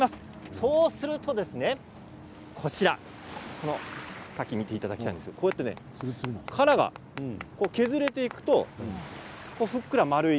そうするとですね、このカキ見ていただきたいんですけれど殻が削れていくとふっくら丸い